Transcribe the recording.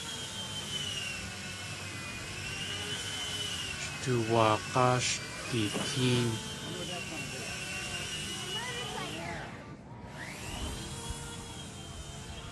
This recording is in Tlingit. Sh tuwaag̲áa sh ditéen.